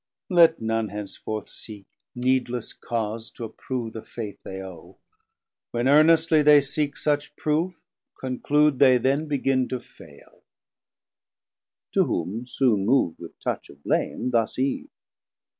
Let none henceforth seek needless cause to approve 1140 The Faith they owe; when earnestly they seek Such proof, conclude, they then begin to faile. To whom soon mov'd with touch of blame thus Eve.